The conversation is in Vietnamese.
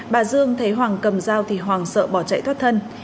bà dương thấy hoàng cầm dao thì hoàng sợ bỏ chạy thoát thân